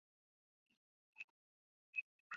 但在某些人身上可能会持续再发。